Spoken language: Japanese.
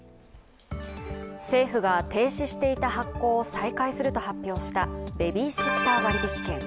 政府が停止していた発行を再開すると発表したベビーシッター割引券。